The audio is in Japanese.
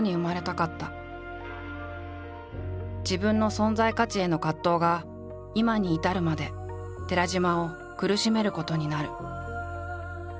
自分の存在価値への葛藤が今に至るまで寺島を苦しめることになる。